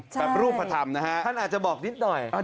ใช่แบบรูปภาษาธรรมนะฮะท่านอาจจะบอกนิดหน่อยอ่า